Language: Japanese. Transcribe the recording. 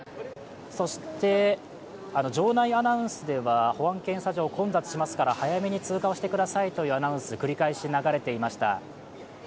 そして、場内アナウンスでは保安検査場、混雑しますから早めに通過をしてくださいというアナウンスが繰り返し流れていました。